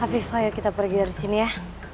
tapi ayo kita pergi dari sini ya